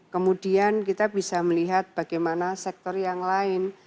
kemudian kita bisa melihat bagaimana sektor yang lain